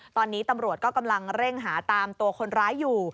ตอนนี้ตำรวจก็กำลังเร่งหาตามตัวคนร้ายอยู่